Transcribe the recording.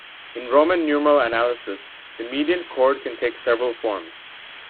In Roman numeral analysis, the mediant chord can take several forms.